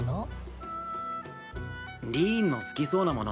リーンの好きそうなもの